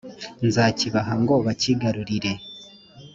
nzakibaha ngo bakigarurire.»